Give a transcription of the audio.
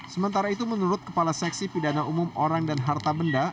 sementara itu menurut kepala seksi pidana umum orang dan harta benda